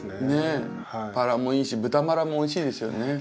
ねっバラもいいし豚バラもおいしいですよね。